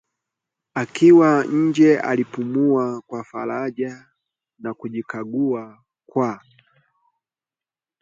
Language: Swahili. Akiwa nje alipumua kwa faraja na kujikagua kwa